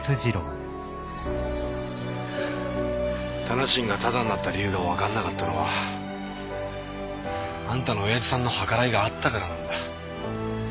店賃がただになった理由が分かんなかったのはあんたの親父さんの計らいがあったからなんだ。